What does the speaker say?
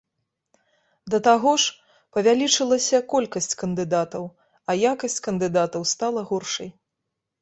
Да таго ж, павялічылася колькасць кандыдатаў, а якасць кандыдатаў стала горшай.